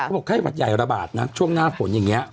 บอกไข้หวัดใหญ่ระบาดนะช่วงหน้าฝนอย่างนี้